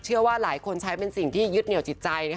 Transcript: เชื่อว่าหลายคนใช้เป็นสิ่งที่ยึดเหนียวจิตใจ